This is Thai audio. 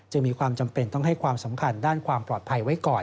มีความจำเป็นต้องให้ความสำคัญด้านความปลอดภัยไว้ก่อน